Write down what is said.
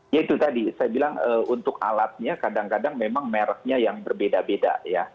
ya itu tadi saya bilang untuk alatnya kadang kadang memang mereknya yang berbeda beda ya